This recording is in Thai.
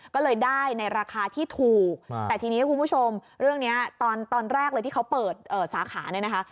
ก็เลยได้ในราคาที่ถูกแต่ทีนี้คุณผู้ชมเรื่องนี้ตอนแรกเลยที่เขาเปิดสาขาเนี่ยนะคะ